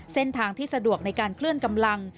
เส้นทางที่สะดวกในการเคลื่อนกำลัง